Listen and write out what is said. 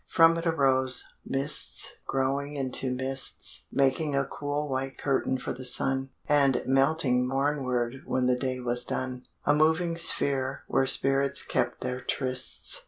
From it arose mists growing into mists Making a cool white curtain for the sun, And melting mornward when the day was done, A moving sphere where spirits kept their trysts.